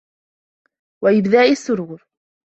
وَإِبْدَاءِ الشُّرُورِ